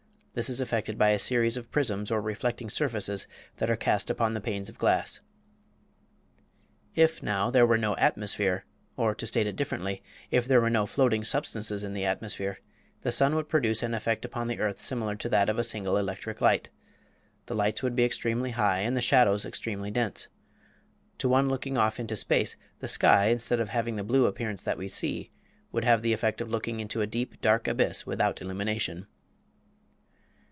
This is effected by a series of prisms or reflecting surfaces that are cast upon the panes of glass. If now there were no atmosphere or, to state it differently if there were no floating substances in the atmosphere, the sun would produce an effect upon the earth similar to that of a single electric light. The lights would be extremely high, and the shadows extremely dense. To one looking off into space, the sky, instead of having the blue appearance that we see, would have the effect of looking into a deep, dark abyss without illumination.